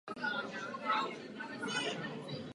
A to je vždy nutné si uvědomit.